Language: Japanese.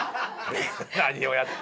何をやって。